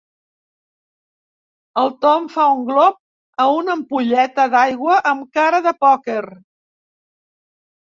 El Tom fa un glop a una ampolleta d'aigua amb cara de pòquer.